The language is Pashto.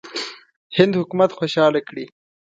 هند حکومت خوشاله کړي.